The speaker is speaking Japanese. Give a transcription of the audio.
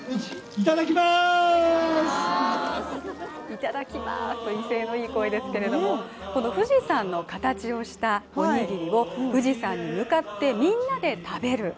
いただきまーすと、威勢のいい声ですけど、この富士山の形をしたおにぎりを富士山に向かってみんなで食べる。